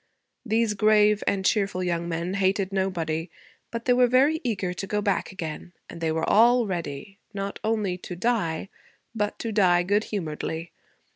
These grave and cheerful young men hated nobody; but they were very eager to go back again; and they were all ready, not only to die but to die good humoredly.